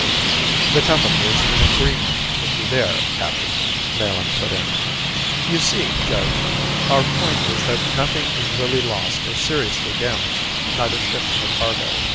"The company is in agreement with you there, captain," Melin put in. "You see, Judge, our point is that nothing is really lost or seriously damaged, neither ship nor cargo.